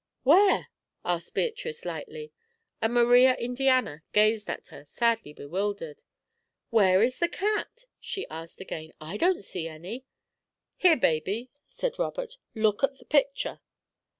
"Where?" asked Beatrice, lightly, and Maria Indiana gazed at her, sadly bewildered. "Where is the cat?" she asked again. "I don't see any." "Here, Baby," said Robert; "look at the picture."